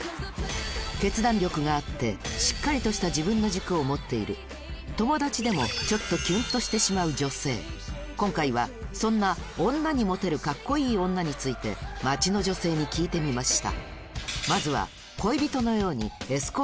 決断力があってしっかりとした自分の軸を持っている友達でもちょっと今回はそんな女にモテるカッコいい女について街の女性に聞いてみました